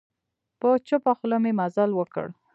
په چوپه خوله مي مزل وکړ .